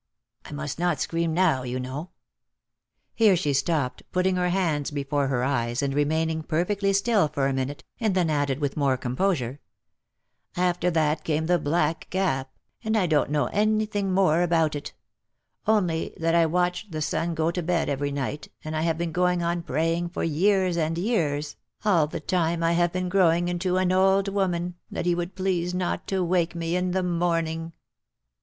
I must not scream now, you know !" Here she stopped, putting her hands before her eyes, and remaining perfectly still for a minute, and then added with more composure, " After that came the black gap, and I don't know any thing more about it ; only that I watch the sun go to bed every night, and I have been going on praying for years and years, all the time I have been OF MICHAEL ARMSTRONG. 275 growing* into an old woman, that he would please not to wake me in the morning."